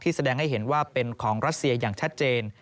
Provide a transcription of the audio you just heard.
แสดงให้เห็นว่าเป็นของรัสเซียอย่างชัดเจน